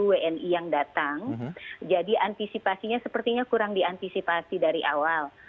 sehingga sepertinya kurang diantisipasi dari awal